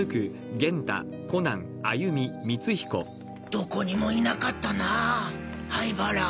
どこにもいなかったなぁ灰原。